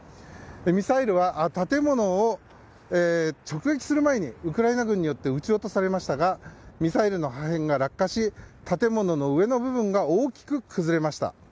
ミサイルは建物を直撃する前にウクライナ軍によって撃ち落とされましたがミサイルの破片が落下し建物の上の部分が大きく崩れました。